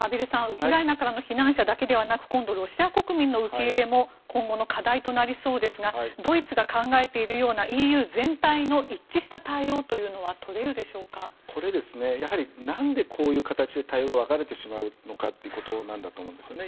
ウクライナからの避難者だけではなく今度、ロシア国民の受け入れも今後の課題となりそうですがドイツが考えているようなＥＵ全体の一致した対応は何で、こういう形で対応が分かれてしまうかということだと思うんですね。